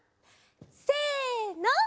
せの！